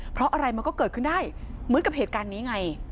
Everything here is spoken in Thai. เพราะอะไรมันก็เกิดขึ้นได้เหมือนกับเหตุการณ์นี้ไง